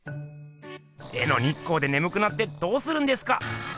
絵の日光でねむくなってどうするんですか！